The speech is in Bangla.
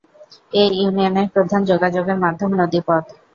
এ ইউনিয়নের প্রধান যোগাযোগের মাধ্যম নদী পথ।